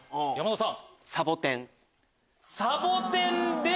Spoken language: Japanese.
山田さん。